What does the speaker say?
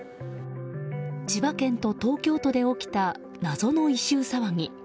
千葉県と東京都で起きた謎の異臭騒ぎ。